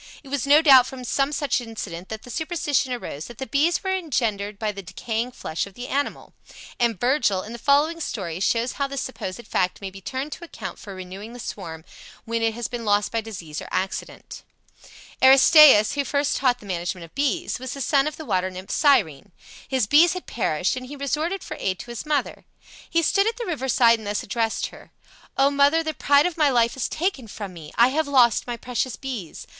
It was no doubt from some such incident that the superstition arose that the bees were engendered by the decaying flesh of the animal; and Virgil, in the following story, shows how this supposed fact may be turned to account for renewing the swarm when it has been lost by disease or accident: Aristaeus, who first taught the management of bees, was the son of the water nymph Cyrene. His bees had perished, and he resorted for aid to his mother. He stood at the river side and thus addressed her: "O mother, the pride of my life is taken from me! I have lost my precious bees.